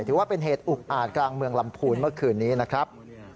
ถือว่าเป็นเหตุอุกอาจกลางเมืองลำพูนเมื่อคืนนี้นะครับ